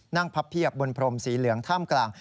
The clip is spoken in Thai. พับเพียบบนพรมสีเหลืองท่ามกลาง